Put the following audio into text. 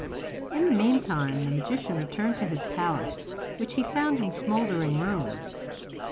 In the meantime the magician returned to his palace, which he found in smouldering ruins.